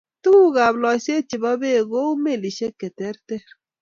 Tuguukab loiseet chebo beek kou melisyek cheterter.